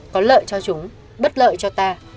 có lợi cho chúng bất lợi cho ta